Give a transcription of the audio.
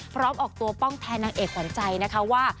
ออกตัวป้องแทนนางเอกขวัญใจนะคะว่า